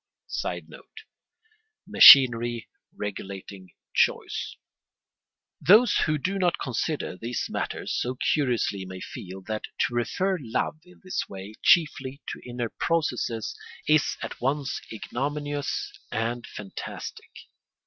[Sidenote: Machinery regulating choice.] Those who do not consider these matters so curiously may feel that to refer love in this way chiefly to inner processes is at once ignominious and fantastic.